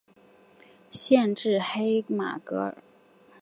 县治黑马戈尔。